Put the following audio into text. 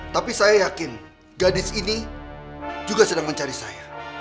tapi saya yakin gadis ini juga sedang mencari saya